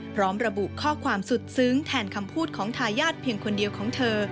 พร้อมระบุข้อความสุดซึ้งแทนคำพูดของทายาทเพียงคนเดียวของเธอ